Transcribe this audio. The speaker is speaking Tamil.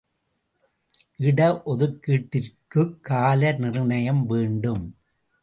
இட ஒதுக்கீட்டிற்குக் கால நிர்ணயம் வேண்டும்.